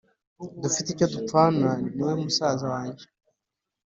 Dufite icyo dupfana niwe musaza wanjye